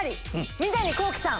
三谷幸喜さん